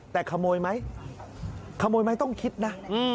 แต่ขโมยไหมขโมยไหมต้องคิดนะ